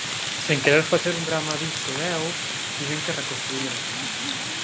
Sen querer facer un drama disto, eu tiven que reconstruírme.